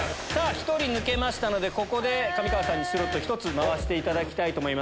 １人抜けましたので上川さんにスロット１つ回していただきます。